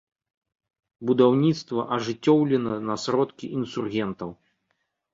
Будаўніцтва ажыццёўлена на сродкі інсургентаў.